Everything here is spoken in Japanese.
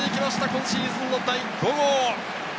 今シーズン第５号。